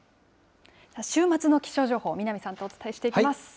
週末の気象情報、南さんとお伝えしていきます。